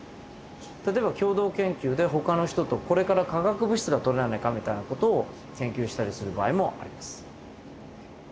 例えば共同研究でほかの人とこれから化学物質がとれないかみたいな事を研究したりする場合もあります。